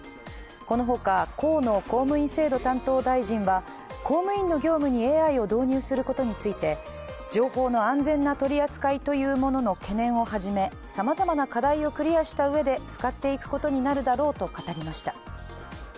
このほか、河野公務員制度担当大臣は公務員の業務にＡＩを導入することについて情報の安全な取り扱いというものの懸念をはじめさまざまな課題をクリアしたうえで使っていくことになるだろうと語りました。